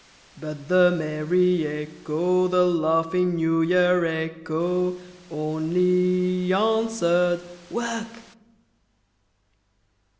But the merry echo, The laughing New Year echo, Only answered, "Work!"